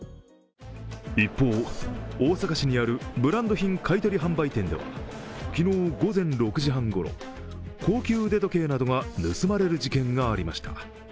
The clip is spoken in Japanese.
一方、大阪市にあるブランド品買い取り販売店では、昨日午前６時半ごろ、高級腕時計などが盗まれる事件がありました。